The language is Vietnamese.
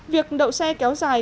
việc đậu xe kéo dài